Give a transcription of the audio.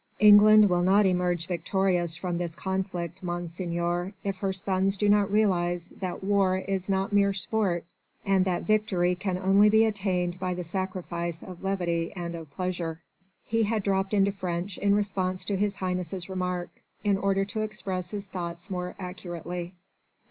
England will not emerge victorious from this conflict, Monseigneur, if her sons do not realise that war is not mere sport and that victory can only be attained by the sacrifice of levity and of pleasure." He had dropped into French in response to His Highness' remark, in order to express his thoughts more accurately.